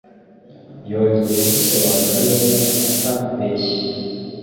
Yongeye kubisobanura neza ata beshya.